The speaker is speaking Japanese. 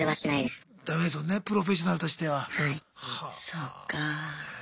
そっか。